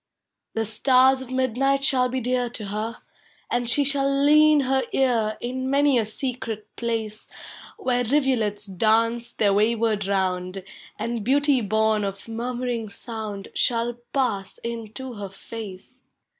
" The stars of midnight shall lie dear To her; and she shall lean her ear In many a secret place Digitized by Google ABOl'T CTilLDRES 73 Where rivulets dance their wayward round. And beauty born of murmuring sound Shall pass into her face.